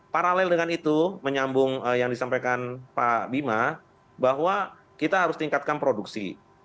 paralel dengan itu menyambung yang disampaikan pak bima bahwa kita harus tingkatkan produksi